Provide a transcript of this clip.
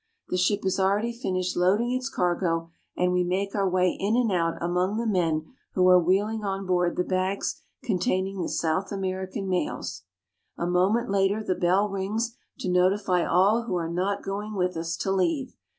The ship has already finished loading its cargo, and we make our way in and out among the men who are wheel ing on board the bags containing the South American mails. A moment later the bell rings to notify all who are not going with us to leave.